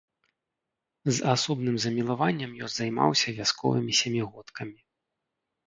З асобным замілаваннем ён займаўся вясковымі сямігодкамі.